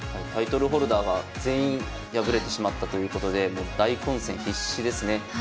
タイトルホルダーが全員敗れてしまったということで大混戦必至ですね。